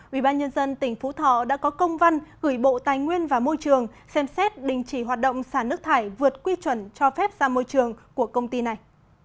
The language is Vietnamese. ủy ban nhân dân tỉnh phú thọ đã có công văn gửi bộ tài nguyên và môi trường xem xét đình chỉ hoạt động xả nước thải vượt quy chuẩn cho phép ra môi trường của công ty này